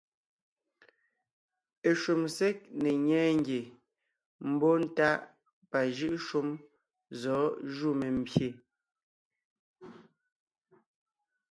Eshúm ség ne ńnyɛɛ ngie mbɔ́ntáʼ pajʉ́ʼ shúm zɔ̌ jú membyè.